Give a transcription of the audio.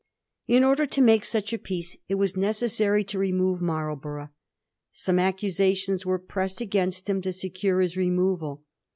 In order to make such a peace it was necessary to remove Marlborough. Some accusations were pressed against him to secure his removal.